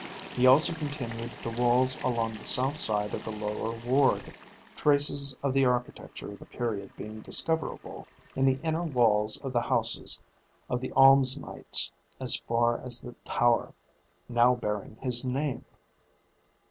He also continued the walls along the south side of the lower ward, traces of the architecture of the period being discoverable in the inner walls of the houses of the alms knights as far as the tower now bearing his name.